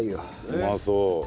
うまそう。